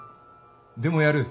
でもやる。